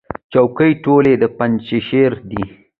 چوکۍ ټولې د پنجشیر دي.